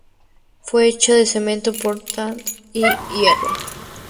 Fue hecha de cemento Portland y de hierro.